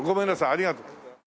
ありがとう。